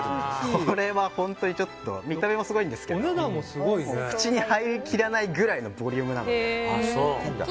これは本当にちょっと見た目もすごいんですけど口に入りきらないくらいのボリュームなので。